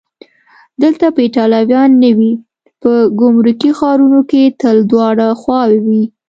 دلته به ایټالویان نه وي؟ په ګمرکي ښارونو کې تل دواړه خواوې وي.